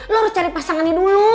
lo harus cari pasangannya dulu